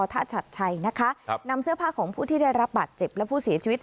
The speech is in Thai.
ชัดชัยนะคะนำเสื้อผ้าของผู้ที่ได้รับบาดเจ็บและผู้เสียชีวิต